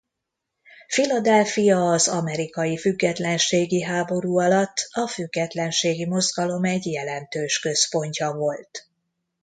Philadelphia az amerikai függetlenségi háború alatt a függetlenségi mozgalom egy jelentős központja volt.